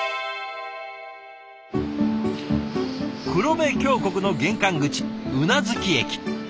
黒部峡谷の玄関口宇奈月駅。